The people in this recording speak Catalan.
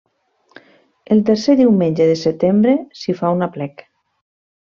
El tercer diumenge de setembre s'hi fa un aplec.